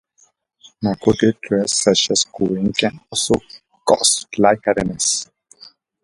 Narcotic drugs, such as codeine can also cause lightheadedness.